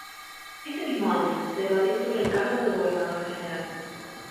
Ese mismo año, se debatió sobre el cargo de gobernador general.